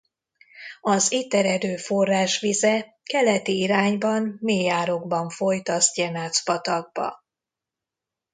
Az itt eredő forrás vize keleti irányban mély árokban folyt a Zdenac-patakba.